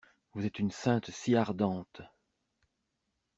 Vous êtes une sainte si ardente!